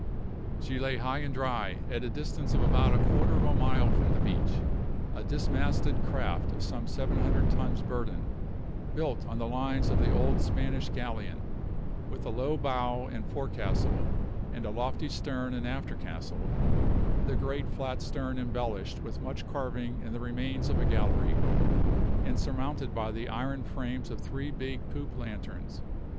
She lay high and dry, at a distance of about a quarter of a mile from the beach, a dismasted craft of some seven hundred tons burden, built on the lines of the old Spanish galleon, with a low bow and forecastle and a lofty stern and after castle; the great flat stern embellished with much carving and the remains of a gallery, and surmounted by the iron frames of three big poop lanterns.